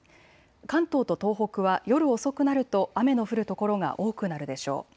関東と東北は夜遅くなると雨の降る所が多くなるでしょう。